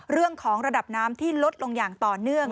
เรื่องของระดับน้ำที่ลดลงอย่างต่อเนื่อง